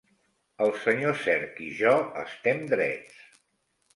El senyor Cerc i jo estem drets.